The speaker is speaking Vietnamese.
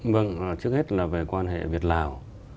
vâng trước hết là về quan hệ việt lào